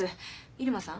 入間さん